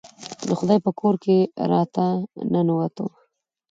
د خدای په کور کې راته ننوتو.